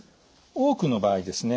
多くの場合ですね